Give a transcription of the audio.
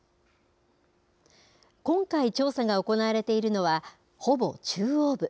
今回調査が行われているのは、ほぼ中央部。